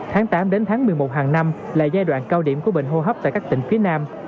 tháng tám đến tháng một mươi một hàng năm là giai đoạn cao điểm của bệnh hô hấp tại các tỉnh phía nam